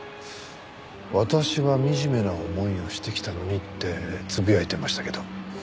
「あたしは惨めな思いをしてきたのに」ってつぶやいてましたけど。